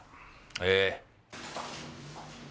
ええ。